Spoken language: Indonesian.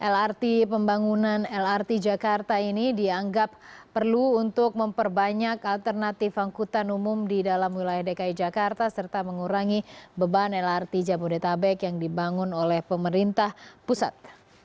lrt pembangunan lrt jakarta ini dianggap perlu untuk memperbanyak alternatif angkutan umum di dalam wilayah dki jakarta serta mengurangi beban lrt jabodetabek yang dibangun oleh pemerintah pusat